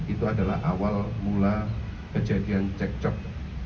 itu adalah awal mula kejadian cek cok